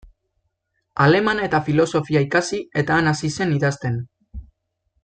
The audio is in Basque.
Alemana eta filosofia ikasi, eta han hasi zen idazten.